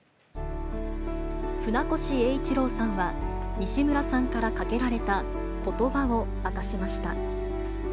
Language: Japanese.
船越英一郎さんは、西村さんからかけられたことばを明かしました。